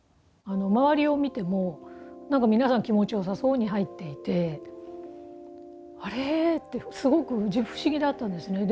周りを見ても何か皆さん気持ちよさそうに入っていてあれってすごく不思議だったんですね。